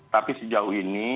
tapi sejauh ini